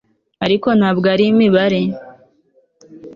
ariko ntabwo ari imibare